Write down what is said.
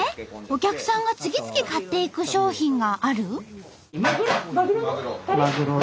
お客さんが次々買っていく商品がある？